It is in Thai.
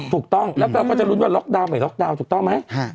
ถูกต้องแล้วเราก็จะลุ้นว่าล็อกดาวนไม่ล็อกดาวน์ถูกต้องไหม